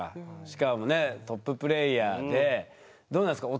しかもねトッププレーヤーでどうなんですか？